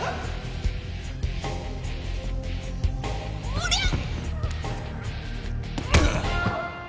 おりゃっ。